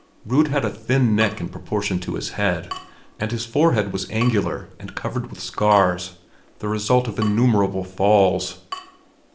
Rud had a thin neck in proportion to his head, and his forehead was angular and covered with scars, the results of innumerable falls.